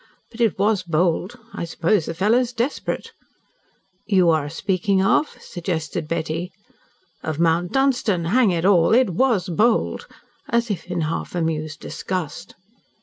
But it was bold. I suppose the fellow is desperate." "You are speaking of ?" suggested Betty. "Of Mount Dunstan. Hang it all, it WAS bold!" As if in half amused disgust.